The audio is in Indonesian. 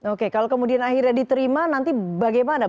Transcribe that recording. oke kalau kemudian akhirnya diterima nanti bagaimana